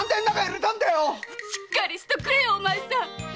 しっかりしとくれよお前さん！